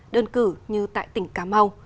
đơn cử như tại tỉnh cà mau